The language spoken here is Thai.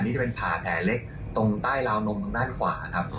อันนี้เธอมีหาแผลเล็กตรงใต้ราวนมทางด้านขวาครับ